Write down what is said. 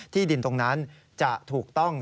ที่ดินตรงนั้นจะถูกต้อง